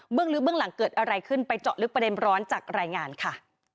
ลึกเบื้องหลังเกิดอะไรขึ้นไปเจาะลึกประเด็นร้อนจากรายงานค่ะ